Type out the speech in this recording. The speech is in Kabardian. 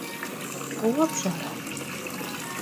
F'ıue pş'ere?